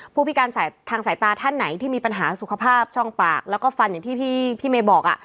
ผู้พิการทางสายตาท่านไหนที่มีปัญหาสุขภาพช่องปากแล้วก็ฟันอย่างที่พี่เมย์บอก